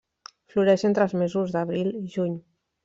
Floreix entre els mesos d'abril i juny.